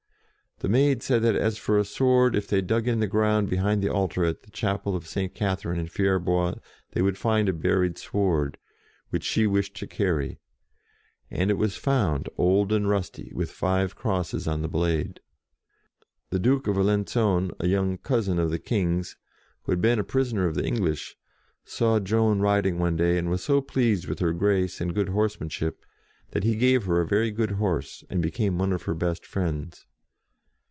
The Maid said that, as for a sword, if they dug in the ground behind the altar at the chapel of St. Catherine, in Fierbois, they would find a buried sword, which she wished to carry; and it was found, old and rusty, with five crosses on the blade. The Duke of Alenc.on, a young cousin of the King's, who had been a prisoner of the English, saw Joan riding one day, and was so pleased with her grace and good horse manship, that he gave her a very good horse, and became one of her best friends.